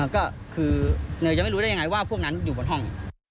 ก็คือเนยจะไม่รู้ได้ยังไงว่าพวกนั้นอยู่บนห้อง